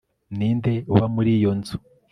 ninde uba muri iyo nzu